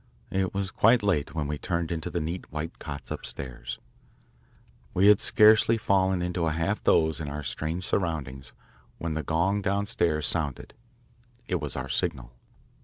It was quite late when we turned into the neat white cots upstairs. We had scarcely fallen into a half doze in our strange surroundings when the gong downstairs sounded. It was our signal.